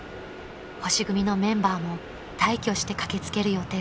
［星組のメンバーも大挙して駆け付ける予定です］